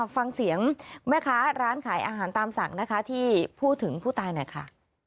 ฟังเสียงแม่ค้าร้านขายอาหารตามสั่งนะคะที่พูดถึงผู้ตายหน่อยค่ะ